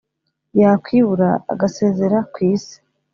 yakwibura agasezera ku isi